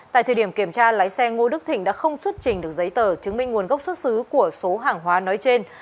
tại thời điểm kiểm tra lái xe ngô đức thịnh đã không xuất trình được giấy tờ chứng minh nguồn gốc xuất xứ của số hàng hóa nói trên